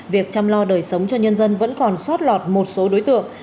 việc chăm lo đời sống cho nhân dân vẫn còn sót lọt một số đối tượng